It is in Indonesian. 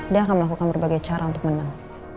dia akan melakukan berbagai cara untuk menang